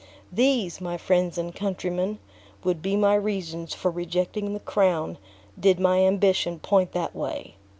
"These, my friends and countrymen, would be my reasons for rejecting the crown did my ambition point that way.